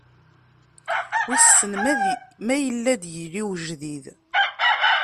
Wissen ma yella ad d-yili wejdid.